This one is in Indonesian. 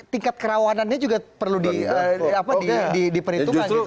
tingkat kerawanannya juga perlu diperhitungkan gitu